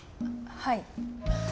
はい。